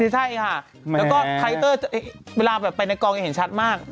ใช่ค่ะแล้วก็คาเลเตอร์เวลาไปในกองจะเห็นชัดมาก